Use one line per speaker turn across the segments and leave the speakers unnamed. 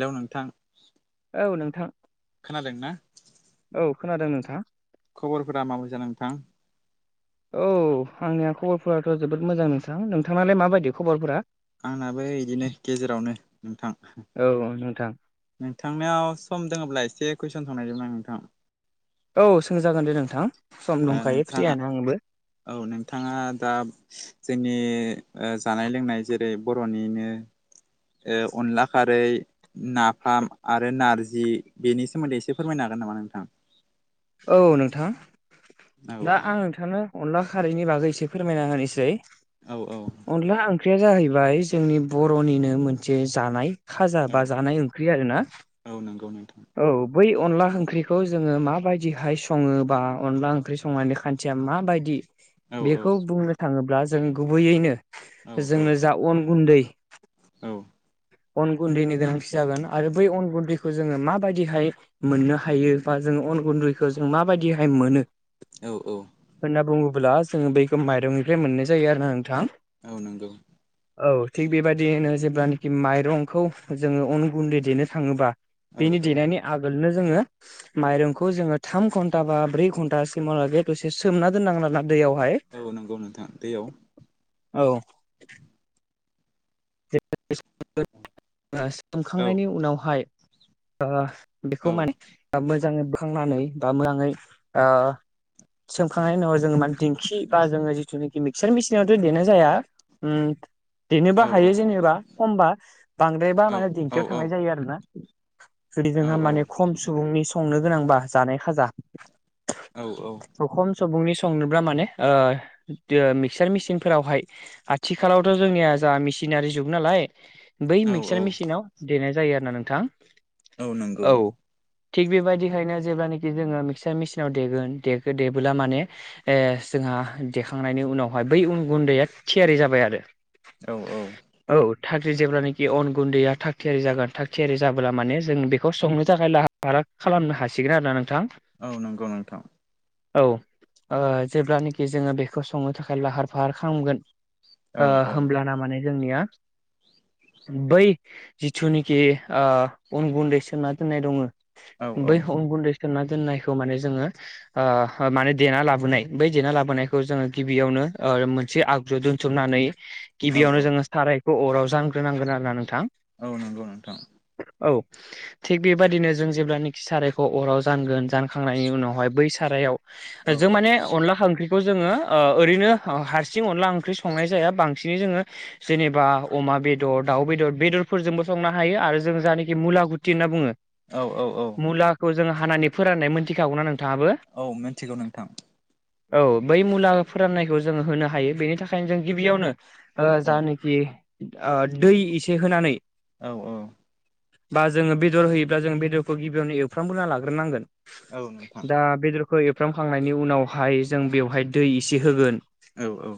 Hello नोंथां
औ नोंथां
खोनादों ना
औ खोनादों नोंथां
खबरफोरा माबायसा नोंथां
औ आंनिया खबरफोराथ' जोबोद मोजां नोंथां नोंथांनालाय माबायदि खबरफोरा
आंनाबो बिदिनो गेजेरावनो नोंथां
औ नोंथां
नोंथांनियाव सम दङब्ला एसे कुइसन सोंनायदोमोन आं नोंथां
औ सोंजागोन दे नोंथां सम
ओ
दंखायो
नोंथाङा
फ्रियानो आंबो
औ नोंथाङा दा जोंनि ओ जानाय लोंनाय जेरै बर'निनो ओ अनला खारै नाफाम आरो नारजि बेनि सोमोन्दै एसे फोरमायनो हागोन नामा नोंथां
औ नोंथां
औ
दा
औ
आं नोंथांनो अनला खारैनि बागै एसे फोरमायना होनोसै
औ औ
अनला ओंख्रिया जाहैबाय जोंनि बर'निनो मोनसे जानाय खाजा
औ
बा जानाय ओंख्रि आर ना
औ नंगौ नोंथां
औ बै अनला ओंख्रिखौ जोङो माबायदि बेहाय सङोबा अनला ओंख्रि संनानै खान्थिया माबायदि
औ औ
बेखौ बुंनो थाङोब्ला जों गुबैयैनो
औ
जोंनो जा अन गुन्दै
औ
अन गुन्दैनि गोनांथि जागोन आरो बै अन गुन्दैखौ जोङो माबायदिहाय मोननो हायो बा जोङो अन गुन्दैखौ जों माबायदिहाय मोनो।
औ औ।
होनना बुङोब्ला जोङो बैखौ माइरंनिफ्राय मोननाय जायो आरोना नोंथां।
औ नंगौ।
औ थिग बेबायदियैनो जेब्लानाखि माइरंखौ जोङो अन गुन्दै देनो थाङोबा
औ
बेनि
औ
देनायनि आगोलनो जोङो माइरंखौ जोङो थाम घन्टा बा ब्रै घन्टासिमावलागै दसे सोमना दोननांगोन आर ना दैयावहाय।
औ नंगौ नोंथां दैयाव।
औ। [unintelligible]
औ
सोमखांनायनि उनावहाय ओ बेखौ
औ
माने मोजाङै बोखांनानै बा मोजाङै ओ सोमखांनायनि उनाव जों माने दिंखि बा जों जिथुनाखि मिक्चार मेचिनावथ' देनाय जाया उम देनो
औ
हायो जेनेबा खमबा बांद्राय बा माने
औ
दिंखियाव
औ
थांनाय जायो आरोना। जुदि
औ
जोंहा माने खम सुबुंनि संनो गोनांबा जानाय खाजा।
औ औ।
खम सुबुंनि संनोब्ला माने ओ दो मिक्सार मेसिन फोरावहाय थिखालावथ' जोंनिया जाहा मेसिनारि जुग नालाय बै
औ औ
मिक्सार मेसिनाव देनाय जायो आरोना नोंथां औ। थिग बेबायदिखायनो जेब्लानोखि जोङो मिक्सार मिसिनाव देगोन देखो देबोला माने ए जोंहा देखांनायनि उनावहाय बै उन गुन्दैआ थियारि जाबाय आरो।
औ औ।
औ थाख्रि जेब्लानोखि अन गुन्दैया थाग थियारि जागोन थाग थियारि जाबोला माने जों बेखौ संनो थाखाय लाहा बारा खालामनो हासिगोन आरोना नोंथां।
औ नंगौ नोंथां।
औ ओ जेब्लानोखि जोङो बेखौ संनो थाखाय लाहार फाहार खालामगोन
औ
ओ
औ
होमब्लाना माने जोंनिया बै जिथुनिखि ओ अन गुन्दै सोमना दोननाय दङो
औ
बै अन गुन्दै सोमना दोननायखौ माने जोङो ओ माने देना लाबोनाय बै देना लाबोनायखौ जोङो गिबियावनो ओ मोनसे आगजु द थुमनानै
औ
गिबियावनो
औ
जोङो सारायखौ अराव जानग्रोनांगोन आरो ना नोंथां।
औ नंगौ नोंथां।
औ थिग बेबादिनो जों जेब्लानिख सारायखौ अराव जानगोन जानखांनायनि उनावहाय बै सारायाव
औ
जों
औ
माने अनला ओंख्रि खौ जोङो ओ ओरैनो हारसिं अनला ओंख्रि संनाय जाया बांसिनै जोङो जेनेबा अमा बेदर दाउ बेदर बेदरफोरजोंबो संनो हायो आरो जों जानाखि मुलागुथि होनना बुङो।
औ औ
मुलाखौ जोङो हानानै फोराननाय मोनथिखागौना नोंथाङाबो?
औ मिन्थिगौ नोंथां।
औ बै मुला फोराननायखौ जोङो होनो हायो बेनि थाखायनो जों गिबियावनो ओ
औ
जानेखि ओ दै एसे होनानै
औ औ।
बा जोङो बेदर होयोब्ला जों बेदरखौ गिबियावनो एवफ्रामग्रोना लाग्रोनांगोन।
औ नोंथां
दा बेदरखौ एरफ्रामखांनायनि उनावहाय जों बेवहाय दै इसे होगोन।
औ औ।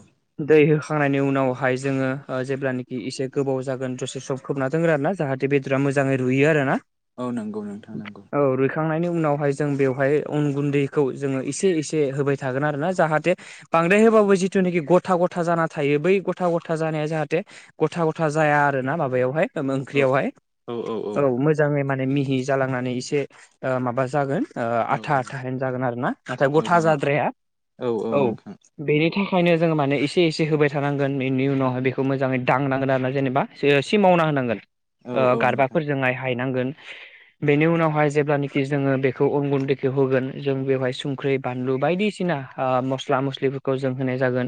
दै होखांनायनि उन नावहाय जोङो ओ जेब्लानाखि एसे गोबाव जागोन दसे सम खोबना दोनोन आरोना जाहाथे बे दरा मोजाङै रुयो आरोना
औ नंगौ नोंथां नंगौ
औ रुइख खांनायनि उनावहाय जों बेवहाय अन गुन्दैखौ जोङो एसे एसे होबाय थागोन आरो ना जाहाथे बांद्राय होबाबो जिथुनाखि गथा गथा जाना थायो बै गथा गथा जानाया जाहाथे गथा गथा जाया आरो ना माबायावहाय ओम
औ
ओंख्रियावहाय औ मो जाङै माने मिहि जालांनानै एसे ओ माबा जागोन। ओ
औ
आथा
औ
आथाहैनो जागोन आरो ना नाथाय गथा
नों
जाद्राया औ। बेनि थाखायनो जोङो माने एसे एसे होबाय थानां गोन बेनि उनावहाय बेखौ मोजाङै दांनांगोन आरोना जेनेबा [unintelligible] मावना होनांगोन
औ
ओ
औ नोंथां
गारबाफोरजोंहाय हायनांगोन
[unintelligible]
बेनि उनावहाय जेब्लानाखि जोङो बेखौ अन गुन्दैखौ होगोन जों बेवहाय संख्र्रि बानलु बायदिसिना ओ मस्ला मस्लिफोरखौ जों होनाय जागोन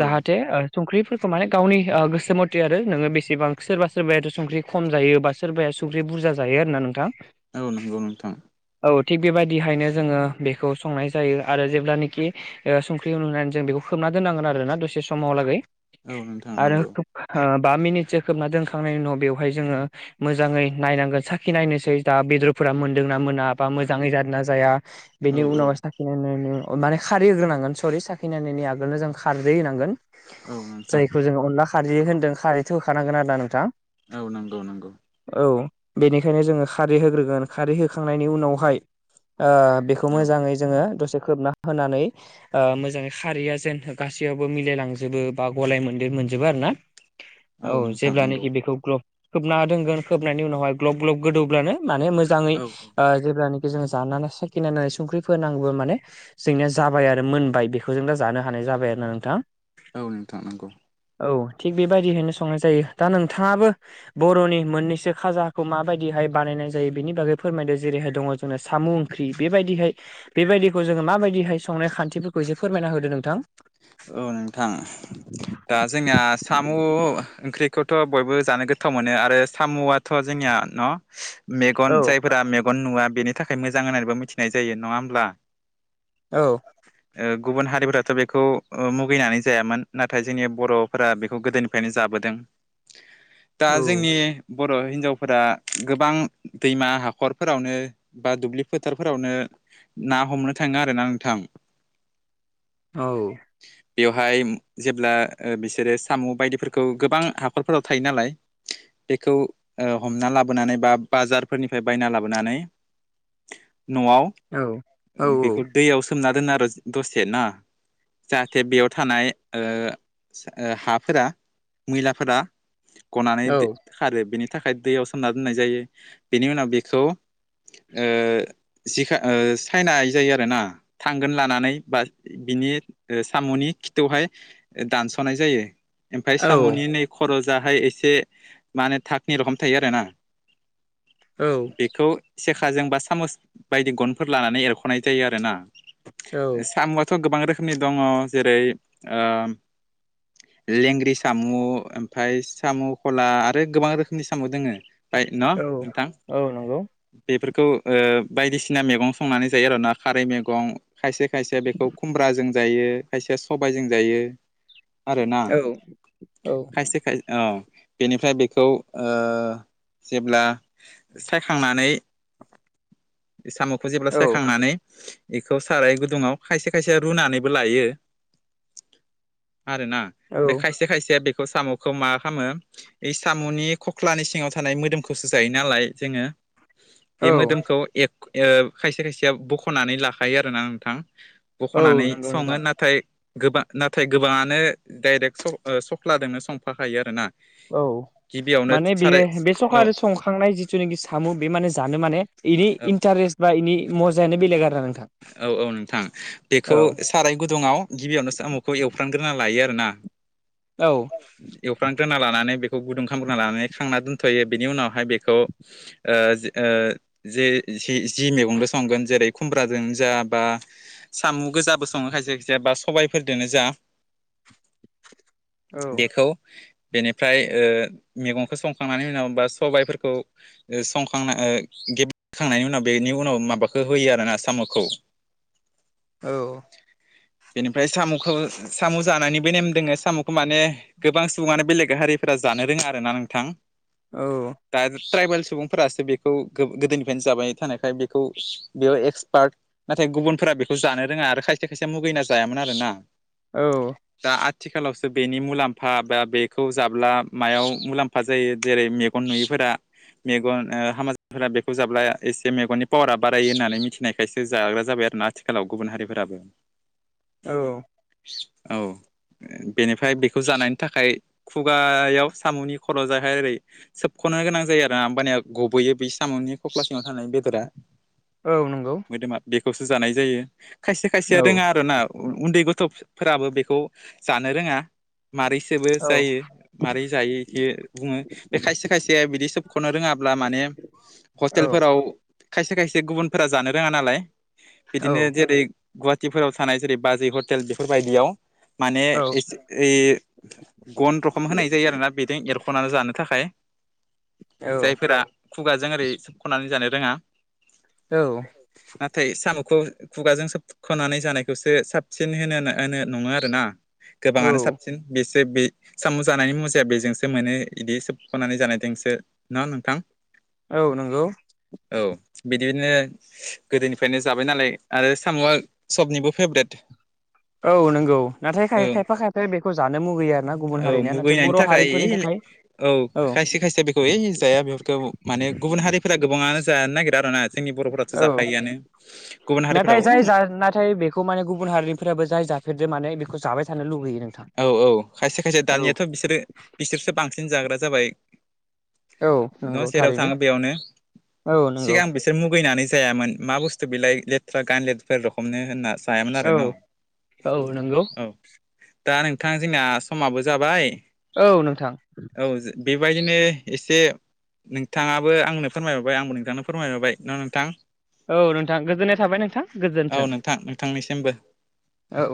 औ
ओ संख्रिफोरखौ माने गावनि ओ गोसो मथे आरो नोङो बेसेबां सोरबा सोरबायाथ' संख्रि खम जायो बा सोरबाया सुख्रि बुरजा जायो आरो ना नोंथां।
औौ नंगौ नोंथा।
औ थिग बेबायदिहायनो जोङो बेखौ संनाय जायो आरो जेब्लानिखि ओ संख्रिहुनानै जों बेखौ खोबना दोन्नांगोन आरो ना दसे समाव लागै।
औ नोंथां
आरो
नंगौ
खोब ओ बा मिनिटसो खोबना दोनखांनायनि उनाव बेवहाय जोङो मोजाङै नायनांगोन साखि नायनोसै दा बेदरफोरा मोनदोंना मोना बा मोजाङै जादों ना जाया
औ
बेनि
औ
उनाव सा माने खारै होग्रोनांगोन सरि साखिनायनि आगोलनो जों खारदै होग्रोनांगोन सरि साखिनायनि आगोलनो जों खारदै होनांगोन।
औ नोंथां।
थ' जों अनला खारै होनदों खारैथ' होखानांगोन आरोना नोंथां।
औ नंगौ नंगौ।
औ बेनिखायनो जोङो खारै होग्रोगोन खारै होखांनायनि उनावहाय ओ बे खौ
औ
मोजाङै जोङो दसे खोबना होनानै ओ मोजाङै खारिया जेन गासैयावबो मिलायलांजोब जोबो बा गलाय मोनदेर मोनजोबो आरो ना औ
नोंथां नंगौ
जेब्लानाखि बेखौ ग्लब खोबना दोनगोन खोबनायनि उनावहाय ग्लब ग्लब गोदौब्लानो माने मोजाङै
औ औ
ओ जेब्लानाखि जों जानानै साखिनानै संख्रि फोनांबा माने जोंनिया जाबाय आरो मोनबाय बेखौ जों दा जानो हानाय जाबाय आरो ना नोंथां।
औ नोंथां नंगौ।
औ थिग बेबायदियैनो संनाय जायो दा नोंथाङाबो बर'नि मोननैसो खाजाखौ माबायदिहाय बानायनाय जायो बेनि बागै फोरमायदो जेरैहाय दङ नो साम' ओंख्रि बेबायदिहाय बेबायदिखौ जोङो माबायदिहाय संनाय खान्थिफोरखौ एसे फोरमायना होदो नोंथां।
औ नोंथां दा जोंनिया साम' ओंख्रिखौथ' बयबो जानो गोथाव मोनो आरो साम'आथ' जोंनिया न' मेगन
औ
जायफोरा मेगन नुवा बेनि थाखाय मोजां होननानैबो मिथिनाय जायो नङा होमब्ला।
औ।
ओ गुबुन हारिफोराथ' बे खौ ओ मुगैनानै जायामोन नाथाय जोंनि बर'फोरा बेखौ गोदोनिफ्रायनो जाबोदों ‌। दा
औ
जोंनि बर' हिन्जावफोरा गोबां दैमा हाखरफोरावनो बा दुब्लि फोथारफोरावनो ना हमनो थाङो आरो ना नोंथां।
औ।
बेवहाय जेब्ला ओ बिसोरो साम' बायदिफोरखौ गोबां हाखरफोराव थायो नालाय बेखौ ओ हमना लाबोनानै बा बाजारफोरनिफ्राय बायना लाबोनानै न'आव
औ
बेखौ दैयाव सोमना दोनो आरो दसे ना जाहाथे बेयाव थानाय ओ ओ हाफोरा मैलाफोरा गनानै
औ
खारो बिनि थाखाय दैयाव सोमना दोननाय जायो बेनि उनाव बेखौ ओ जिखा ओ साइना जायो आरोना थांगोन लानानै बा बिनि ओ साम'नि खिथौहाय दानस'नाय जायो ओमफ्राय
औ
साम'नि नै खरजाहाय एसे माने थाकनि रखोम थायो आरो ना
औ
बेखौ सेखाजों बा सामस बायदि गनफोर लानानै एरख'नाय जायो आरोना
औ
साम'आथ' गोबां रोखोमनि दङ जेरै ओम लेंग्रि साम' ओमफ्राय साम' खला आरो गोबां रोखोमनि साम' दोङो फ्राय न
औ
नोंथां
औ नंगौ
बेफोरखौ ओ बायदिसिना मैगं संनानै जायो आर' ना खारै मैगं खायसे खायसे बेखौ खुमब्राजों जायो खायसेया सबायजों जायो आरोना
औ औ
खायसे खाय औ बेनिफ्राय बेखौ ओ जेब्ला सायखांनानै [inaudible] साम'खौ जेब्ला
औ
सायखांनानै बेखौ साराय गुदुङाव खायसे खायसे रुनानै बो लायो आरोना खायसे खायसेया बे खौ साम'खौ मा खामो बे साम'नि खख्लानि सिङाव थानाय मोदोमखौसो जायो नालाय जोङो
औ
बे मोदोमखौ एर ओ खायसे खायसेया बख'नानै लाखायो आरोना नोंथां
औ
बख'नानै
नंगौ
सङो
नोंथां
नाथाय गोबां नाथाय गोबाङानो डाइरेक्ट सख्लाजोंनो संफाखायो आरो ना
औ माने बेयो बे
औ
सखारि संखांनाय जिथुनाखि सामु बे माने जानो माने इनि
औ
इन्टारेस्ट बा इनि मजायानो बेलेग आरो ना नोंथां
औ औ नोंथां
औ
बेखौ साराय गुदुङाव गिबियावनो सामुखौ एवफ्रामग्रोना लायो आरो ना
औ
हुख्रां दोना लानानै बेखौ गुदुं खालामग्रोना लानानै खांना दोनथ'यो बेनि उनावहाय बेखौ ओ ओ जे जि जि मैगंदो संगोन जेरै खुमब ब्राजनो जा बा साम' गोजाबो सङो खायसे खायसेया बा सबायफोरदोनो जा
औ
बेखौ बेनिफ्राय ओ मैगंखौ संखांनानै उनाव बा सबायफोरखौ ओ संखांना ओ गेबखांनायनि उनाव बेनि उनाव माबाखौ होयो आरो ना साम'खौ
औ
बेनिफ्राय साम'खौ साम' जानायनिबो नेम दोङो साम'खौ माने गोबां सुबुङानो बेलेग हारिफोरा जानो रोङा आरोना नोंथां
औ
दा ट्राइबेल सुबुंफोरासो बेखौ गोदोनिफ्रायनो जाबाय थानायखाय बेखौ बेयाव एक्स बार्ट नाथाय गुबुनफोरा बेखौ जानो रोङा आरो खायसे खायसे मुगैना जायामोन आरो ना
औ
दा आथिखालावसो बेनि मुलाम्फा बा बेखौ जाब्ला मायाव मुलाम फा जायो जेरै मेगन नुयिफोरा मेगन ओ हामाजफोरा बेखौ जाब्ला एसे मेगननि पावारा बारायो होननानै मिथिनायखाय खायसो जाग्रा जाबाय आरो ना आथिखालाव गुबुन हारिफोराबो
औ
औ बेनिफ्राय बेखौ जानायनि थाखाय खुगायाव साम'नि खर' जाहाय ओरै सोबख'नो गोनां जायो आरो होमबानिया गबोैयो बै साम'नि खख्ला सिङाव थानाय बेदरा
औ नोंगौ
मोदोमा बेखौसो जानाय जायो खायसे खायसेया
औ
रोङा आरो ना उन्दै गथ'फोराबो बेखौ जानो रोङा मारैसोबो
औ
जायो माबारै जायो इखो बुङो बे खायसे खायसे बिदि सोबख'नो रोङाब्ला माने
औ
हटेलफोराव खायसे खायसे गुबुनफोरा जानो रोङा नालाय
औ
बिदिनो जेरै गुवाहाटिफोराव थानाय जेरै बाजै हटेल बेफोरबायदियाव माने
औ
एसे यै गन रखम होनाय जायो आरोना बेदों एरख'नानै जानो थाखाय जायफोरा खुगाजों ओरै सोबख'नानै जानो रोङा।
औ
नाथाय साम'खौ खुगाजों सोब ख'नानै जानायखौसो साबसिन होनो होनो नङो आरो ना
औ
गोबाङानो साब सिन बेसो बे सामु जानायनि मुजाया बेजोंसो मोनो इदि सोबख'नानै जानायदोंसो ना नोंथां?
औ नंगौ।
औ बिदिनो गोदोनिफ्रायनो जाबाय नालाय आरो साम'आ सबनिबो फेभरेट।
औ नंगौ नाथाय
औ
खाय खायफा खायफाया बेखौ जानो मुगैयो आरो ना गुबुन
औ
हारिनिया नाथाय
मुगैनायनि
बर'
थाखाय
हारिफोरनि थाखाय
औ खायसे खायसे बेखौ ओइ जाया बेफोरखौ माने गुबुन हारिफोरा गोबाङानो जानो नागिरा आरोना जोंनि बर'फोराथ'
औ
जाखायोआनो गुबुन
नाथाय
हारिफोराव
जाय जा नाथाय बेख खौ माने गुबुन हारिनिफ्राबो जाय जाफेरदो माने बेखौ जाबाय थानो लुगैयो नों
औ औ खायसे खायसे दानियाथ' बिसोरो बिसोरसो बांसिन जाग्रा जाबाय।
औ
न
नंगौ
जेराव
थारैनो
थाङो बेयावनो
औ नंगौ
सिगां बेसो सोर मुगैनानै जायामोन मा बुस्थु बिलाइ लेथ्रा गानलेफोर रखमनो होनना। जायामोन आरो
औ
न
औ नंगौ
औ। दा नोंथां जोंना समाबो जाबाय।
औ नोंथां।
औ बेबायदिनो एसे नोंथाङाबो आंनो फोरमायहरबाय आंबो नोंथांनो फोरमायहरबाय न नोंथां?
औ नोंथां गोजोननाय थाबाय नोंथां गोजोन्थों
औ नोंथां नोंथांनिसिमबो
औ।